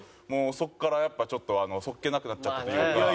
もうそこからやっぱちょっと素っ気なくなっちゃったというか。